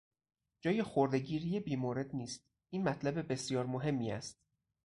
جای خردهگیری بیمورد نیست; این مطلب بسیار مهمی است.